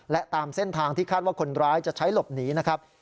และตามเส้นทางที่คาดว่าคนร้ายจะใช้หลบหนีนะครับ